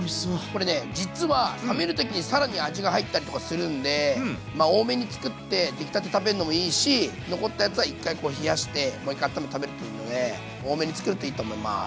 これね実は冷める時に更に味が入ったりとかするんでまあ多めに作って出来たて食べるのもいいし残ったやつは一回冷やしてもう一回あっためて食べるといいので多めに作るといいと思います。